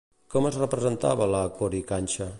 Com es representava el Coricancha?